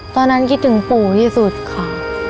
ตอนนั้นคิดถึงปู่ที่สุดค่ะ